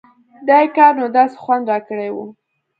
دې کار نو داسې خوند راکړى و.